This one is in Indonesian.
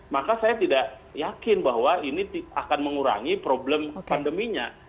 maka saya tidak yakin bahwa ini akan mengurangi problem pandeminya